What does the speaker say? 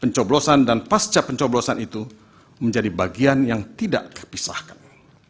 pencoblosan dan pasca pencoblosan itu menjadi bagian yang tidak terpisahkan